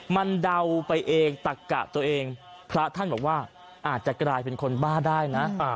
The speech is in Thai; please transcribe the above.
มันเดาไปเองตักกะตัวเองพระท่านบอกว่าอาจจะกลายเป็นคนบ้าได้นะ